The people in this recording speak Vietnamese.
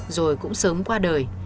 rồi cũng sớm qua đời